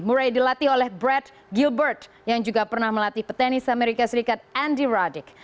murray dilatih oleh brad gilbert yang juga pernah melatih petanis amerika serikat andy ruddick